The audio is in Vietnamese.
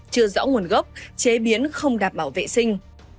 chưa rõ nguồn gốc chế biến không đảm bảo vệ sinh